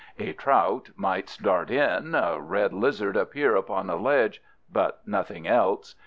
A trout might dart in, a red lizard appear upon a ledge, but nothing else.